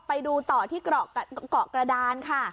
ไปดูต่อที่เกาะกระดานค่ะ